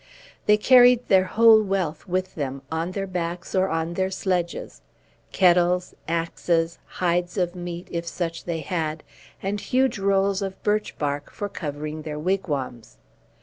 They carried their whole wealth with them, on their backs or on their sledges, kettles, axes, bales of meat, if such they had, and huge rolls of birch bark for covering their wigwams.